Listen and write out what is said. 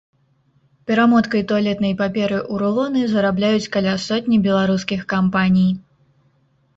Перамоткай туалетнай паперы ў рулоны зарабляюць каля сотні беларускіх кампаній.